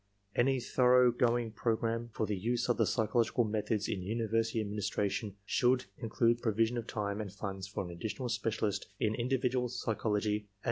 Any thorough going program for the use of psychological methods in university administration should in clude provision of time and funds for an additional specialist in individual psychology and mental measurement."